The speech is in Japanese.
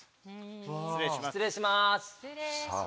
失礼します。